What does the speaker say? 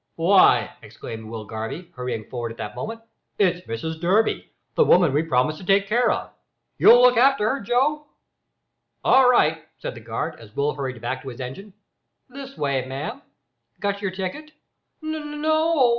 "Why," exclaimed Will Garvie, hurrying forward at that moment, "it's Mrs Durby, the woman we promised to take care of! You'll look after her, Joe?" "All right," said the guard, as Will hurried back to his engine; "this way, ma'am. Got your ticket?" "N no!"